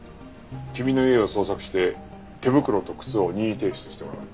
君の家を捜索して手袋と靴を任意提出してもらう。